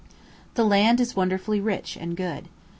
The land is wonderfully rich and good.